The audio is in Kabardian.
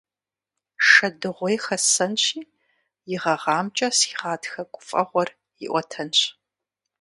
Шэдыгъуей хэссэнщи, и гъэгъамкӀэ си гъатхэ гуфӀэгъуэр иӀуэтэнщ.